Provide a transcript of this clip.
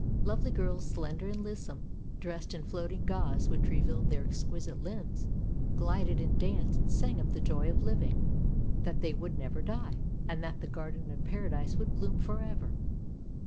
Lovely girls, slender and lissom, dressed in floating gauze which revealed their exquisite limbs, glided in the dance, and sang of the joy of living — that they would never die — and that the Garden of Paradise would bloom for ever.